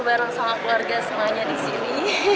bersama keluarga semuanya disini